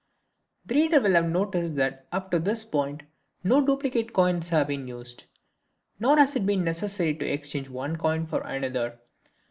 The reader will have noticed that up to this point no duplicate coins have been used, nor has it been necessary to exchange one coin for another.